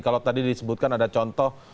kalau tadi disebutkan ada contoh